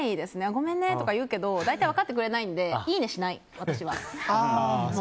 ごめんねとか言うけど大体分かってくれないんでいいねしない、私は。